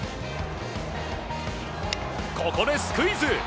ここでスクイズ。